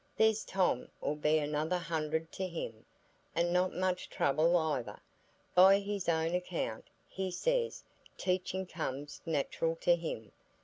There's Tom 'ull be another hundred to him, and not much trouble either, by his own account; he says teaching comes natural to him.